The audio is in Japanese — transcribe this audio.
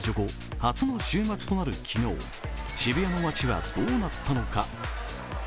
初の週末となる昨日渋谷の街はどうなったのか。